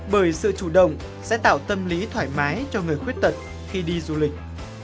bởi sự chủ động sẽ tạo tâm lý thoải mái cho người khuyết tật khi đi du lịch